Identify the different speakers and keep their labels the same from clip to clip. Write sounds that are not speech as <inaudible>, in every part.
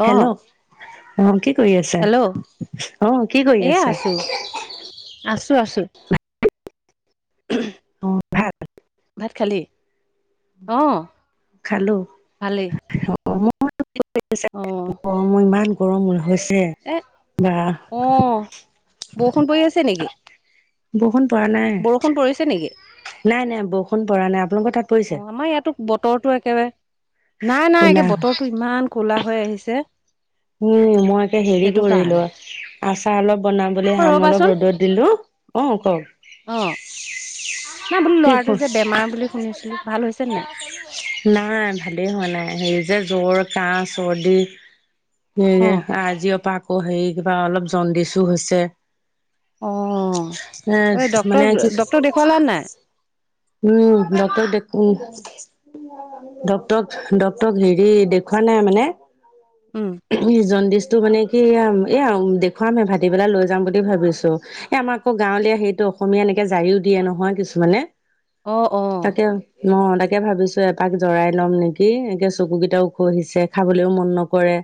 Speaker 1: অ
Speaker 2: hello অ কি কৰি আছে
Speaker 1: হেল্ল'
Speaker 2: ছি অ কি কৰি আছে এ এ হাঁচি?
Speaker 1: চি চি চি চি আছোঁ আছোঁ। উমহু উ।
Speaker 2: অ অ, ভাত।
Speaker 1: ভাত খালি। অঁ অ,
Speaker 2: খালো
Speaker 1: ভালেই।
Speaker 2: অ
Speaker 1: অ
Speaker 2: অ, <unintelligible> ইমান গৰম হৈছে। এ এ বা
Speaker 1: অ
Speaker 2: ছি চু
Speaker 1: বৰষুণ পৰি আছে
Speaker 2: আহ
Speaker 1: নেকি
Speaker 2: আহ্। বৰষুণ পৰা নাই।
Speaker 1: বৰষুণ পৰিছে নেকি?
Speaker 2: নাই নাই বৰষুণ পৰা নাই আপোনালোকৰ তাত।
Speaker 1: অ
Speaker 2: পৰিছে
Speaker 1: আমাৰ ইয়াতো বতৰটো একেবাৰে নাই নাই
Speaker 2: ক'লা
Speaker 1: একে বতৰটো ইমান ক'লা হৈ আহিছে।
Speaker 2: উম উম উম মই একে হেৰি
Speaker 1: সেইটো
Speaker 2: কৰিলো
Speaker 1: কাৰণে
Speaker 2: আচাৰ অলপ বনাবলৈ
Speaker 1: অ
Speaker 2: আম অলপ
Speaker 1: ৰ'বাচোন
Speaker 2: ৰ'দত দিলো অ কও।
Speaker 1: অ অ অ নাই বোলো
Speaker 2: কি
Speaker 1: ল'ৰাটো যে বেমাৰ বুলি শুনিছিলো ভাল হৈছে
Speaker 2: চি
Speaker 1: নাই
Speaker 2: চি চি নাই ভালেই হোৱা নাই হেৰি যে জ্বৰ কাহ চৰ্দি।
Speaker 1: অ
Speaker 2: সেয়ে আজিৰ পৰা আকৌ হেৰি কিবা অলপ জণ্ডিছো হৈছে।
Speaker 1: অ
Speaker 2: চি চা চি এ এ এ মানে আজি
Speaker 1: ফলা নাই।
Speaker 2: উম উম উম ডক্টৰ দেখো উম। ডক্তৰক ডক্তৰক হেৰি দেখুৱা নাই মানে
Speaker 1: উম উ।
Speaker 2: উম হু জণ্ডিচটো মানে কি এই আম এই আৰু দেখুৱাম হে ভাটি পেলাই লৈ যাম বুলি ভাবিছো। এ আমাৰ আকৌ গাঁৱলীয়া সেইটো অসমীয়া এনেকে জাৰিও দিয়ে নহয় কিছুমানে
Speaker 1: অ অ
Speaker 2: তাকে উম। অ অ অ, তাকে ভাবিছো এপাক জৰাই লম নেকি একে চকু কেইটা খহিছে খাবলৈও মন নকৰে।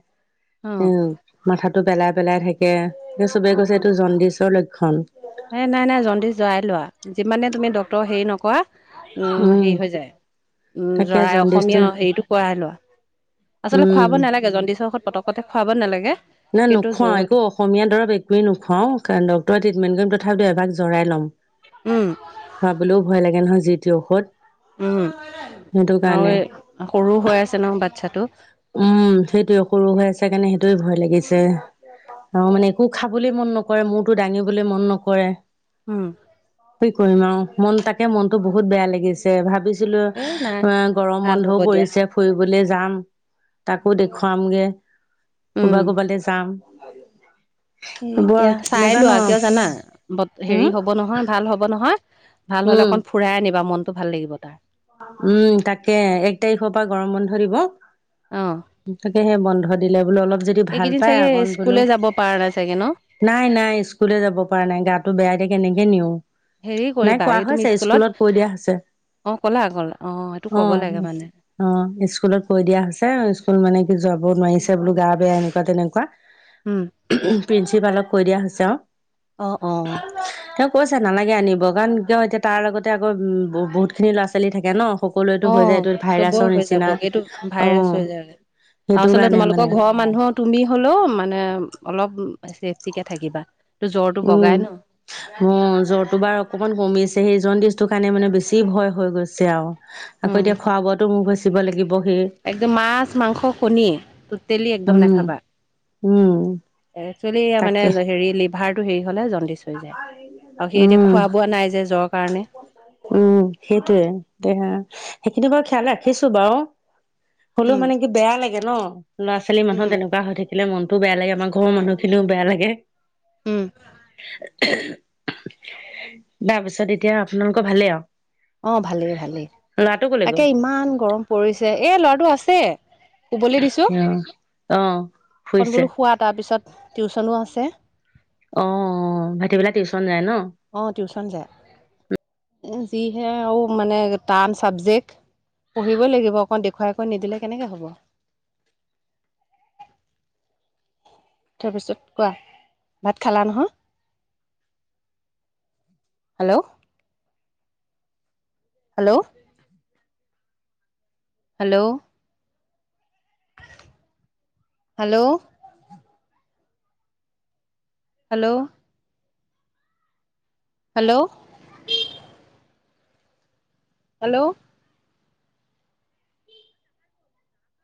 Speaker 1: অ
Speaker 2: এ ও ও মাথাটো পেলাই পেলাই থাকে এই চবে কৈছে এইটো জণ্ডিচৰ লক্ষ্যণ।
Speaker 1: হেই নাই নাই জণ্ডিচ যোৱাই লোৱা যিমানে তুমি ডক্টৰ হেৰি নকৰা। উম উ উ, হেৰি হৈ যায় উম উ
Speaker 2: তাকে
Speaker 1: জৰাই
Speaker 2: জণ্ডিচটো
Speaker 1: অসমীয়া হেৰিটো কৰাই লোৱা। আচলতে
Speaker 2: উম
Speaker 1: খুৱাব নেলাগে জণ্ডিচৰ ঔষধ পতকতে খুৱাব নেলাগে।
Speaker 2: নাই নোখোৱা একো ঔষ অসমীয়া দৰৱ একোৱে নোখোৱাওঁ কাৰণ ডক্টৰে ট্ৰিটমেণ্ট কৰিম তথাপিতোও এবাক জৰাই ল'ম।
Speaker 1: উম উ উ।
Speaker 2: খুৱাবলৈও ভয় লাগে নহয় যি টি ঔষধ।
Speaker 1: উম উ উ,
Speaker 2: সেইটো
Speaker 1: আৰু
Speaker 2: কাৰণে
Speaker 1: এই সৰু হৈ আছে ন বাচ্ছাটো।
Speaker 2: উম উ উ, সেইটোৱেই সৰু হৈ আছে কাৰণে সেইটোৱেই ভয় লাগিছে। অ অ, অ অ মানে একো খাবলৈ মন নকৰে মূৰটো দাঙিবলৈ মন নকৰে।
Speaker 1: উম উ উ।
Speaker 2: কি কৰিম আৰু মন তাকে মনতো বহুত বেয়া লাগিছে। তে ভাবিছিলো
Speaker 1: এ নাই
Speaker 2: অহ্ অ গৰম
Speaker 1: ভাল
Speaker 2: বন্ধও
Speaker 1: হ'ব দিয়া
Speaker 2: পৰিছে ফুৰিবলে যাম। তাকো
Speaker 1: উম
Speaker 2: দেখুৱামগে
Speaker 1: উম
Speaker 2: কৰবা কৰবালৈ যাম ভাল দিয়ক।
Speaker 1: এ এ এ, এতিয়া চাই লোৱা কিয় জানা বত
Speaker 2: হম
Speaker 1: হেৰি হব নহয়। ভাল হ'ব নহয় ভাল হলে
Speaker 2: উম
Speaker 1: অকন ফুৰাই আনিবা মনতটো ভাল লাগিব তাৰ।
Speaker 2: উম উ উ, তাকে এক তাৰিখৰ পৰা গৰম বন্ধ দিব।
Speaker 1: অঁ অ অ।
Speaker 2: তাকে সে বন্ধ দিলে বোলে অলপ যে
Speaker 1: এইকেইদিন চাগে স্কুলে যাব পাৰা নাই চাগে ন।
Speaker 2: নাই নাই স্কুলে যাব পৰা নাই গাটো বেয়া দিয় কেনেকে নিওঁ।
Speaker 1: হেৰি
Speaker 2: নাই
Speaker 1: কৰিবা
Speaker 2: কোৱা
Speaker 1: এই তুমি
Speaker 2: হৈছে স্কুলত কৈ দিয়া হৈছে।
Speaker 1: অ', কলা আগলা।
Speaker 2: অ'। অ', স্কুলত কৈ দিয়া হৈছে স্কুলত মানে কি যাব নোৱাৰিছে বোলো গা বেয়া এনেকুৱা তেনেকুৱা।
Speaker 1: উম।
Speaker 2: প্ৰিন্সিপালক কৈ দিয়া হৈছে আৰু, তেওঁ- কৈছে নালাগে আনিব কাৰণ কিয় এতিয়া তাৰ লগতে আকৌ বহুত খিনি ল'ৰা ছোৱালী থাকে ন। সকলোৱেতো
Speaker 1: অ
Speaker 2: হৈ যায় এইটো ভাইৰাছৰ
Speaker 1: চবৰে হৈ
Speaker 2: নিচিনা
Speaker 1: যাব এইটো
Speaker 2: অ
Speaker 1: ভাইৰাছ হৈ যায়, আৰু
Speaker 2: সেইটো
Speaker 1: আচলতে
Speaker 2: কাৰণে মানে
Speaker 1: তোমালোকৰ ঘৰত- মানুহ তুমি হলেও মানে অলপ চছেফটিকে থাকিবা ত জ্বৰটো বগাই ন।
Speaker 2: অ জ্বৰটো বাৰ অকমান কমিছে সেইজনিষ্টটোৰ কাৰণে মানে বেছি ভয় হৈ গৈছে আৰু। আকৌ
Speaker 1: উম
Speaker 2: এতিয়া খোৱা বোৱাতো মোৰ গচিব লাগিব। সেই
Speaker 1: একদম মাছ মাংস কণীয়ে টেলি একদম
Speaker 2: উম,
Speaker 1: নাখাবা।
Speaker 2: উম।
Speaker 1: এ চুলি মানে
Speaker 2: তাকে
Speaker 1: হেৰি লপ ভাৰটো হেৰি হ'লে জণ্ডিচ হৈ যায়, আৰু সি এতিয়া
Speaker 2: উম,
Speaker 1: খোৱা বোৱা নাই যে জ্বৰ কাৰণে।
Speaker 2: উম সেইটোয়ে দে সেইখিনি বাৰু খিয়াল ৰাখিছো বাৰু। হ'লেও
Speaker 1: উম
Speaker 2: মানে কি বেয়া লাগে ন। লৰা ছোৱালী মানুহ
Speaker 1: উম
Speaker 2: তেনেকুৱা হৈ থাকিলে মনটো বেয়া লাগে আমাৰ ঘৰৰ মানুহ খিনিও বেয়া লাগে।
Speaker 1: উম
Speaker 2: তাৰপিছত এতিয়া আপোনাৰ- লোক ভালে আও?
Speaker 1: অ ভালেই ভালেই,
Speaker 2: কলে
Speaker 1: তাকে
Speaker 2: গ'ল?
Speaker 1: ইমান গৰম পৰিছে এ ল'ৰাটো আছে। শুবলৈ দিছো,
Speaker 2: অ', অ',
Speaker 1: অকন
Speaker 2: শুইছে
Speaker 1: বোলো হোৱা তাৰ পিছত টিউচনো আছে।
Speaker 2: অ ভাইতি পেলা টিউচন যায় ন।
Speaker 1: অহ টিউচন যায়, যিহে আৰু মানে টান চাবজেক্ট। পঢ়িবই লাগিব অকণ দেখুৱাইকৈ নিদিলে কেনেকে হ'ব। তাৰপিছত কোৱা, ভাত খালা নহয়? Hello. Hello. Hello,. Hello,. Hello,. Hello,. Hello,.